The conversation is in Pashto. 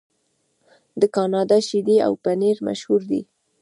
د کاناډا شیدې او پنیر مشهور دي.